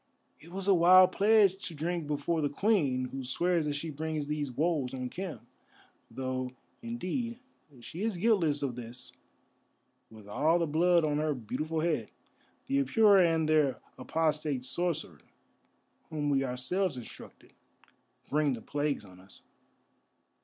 "It was a wild pledge to drink before the Queen, who swears that she brings these woes on Khem. Though, indeed, she is guiltless of this, with all the blood on her beautiful head. The Apura and their apostate sorcerer, whom we ourselves instructed, bring the plagues on us."